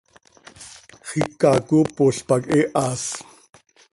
¡Xiica coopol pac he haas!